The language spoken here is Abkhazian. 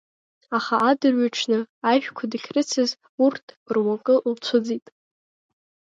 Аха адырҩаҽны ажәқәа дахьрыцыз урҭ руакы лцәыӡит.